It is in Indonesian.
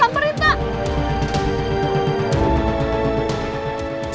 pak putri gak salah